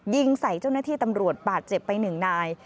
ยิงใส่เจ้าหน้าที่ตำรวจบาดเจ็บไปหนึ่งนาย